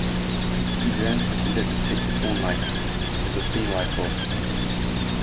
He then proceeded to take his own life, with the same rifle.